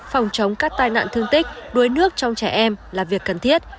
phòng chống các tai nạn thương tích đuối nước trong trẻ em là việc cần thiết